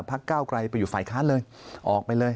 พัก๙กลายไปอยู่ฝ่ายค้านเลยออกไปเลย